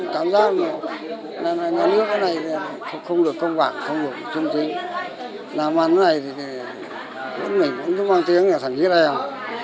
cảm giác là người nước này không được công bản không được trung tính làm ăn này thì vẫn phải mang tiếng giết em